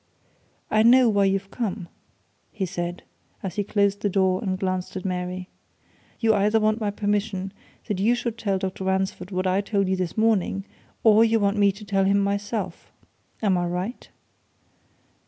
"I know why you've come," he said, as he closed the door and glanced at Mary. "You either want my permission that you should tell Dr. Ransford what I told you this morning, or, you want me to tell him myself. Am I right?"